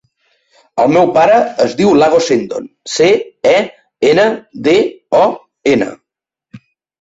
El meu pare es diu Iago Cendon: ce, e, ena, de, o, ena.